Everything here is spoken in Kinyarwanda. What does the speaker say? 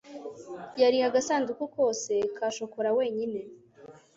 yariye agasanduku kose ka shokora wenyine.